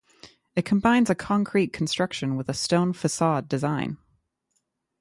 It combines a concrete construction with a stone facade design.